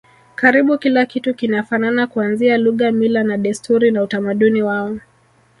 Karibu kila kitu kinafanana kuanzia lugha mila na desturi na utamaduni wao